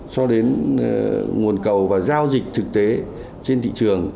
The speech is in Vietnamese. cho đến nguồn cầu và giao dịch thực tế trên thị trường